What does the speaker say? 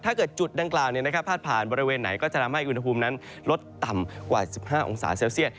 จุดดังกล่าวพาดผ่านบริเวณไหนก็จะทำให้อุณหภูมินั้นลดต่ำกว่า๑๕องศาเซลเซียต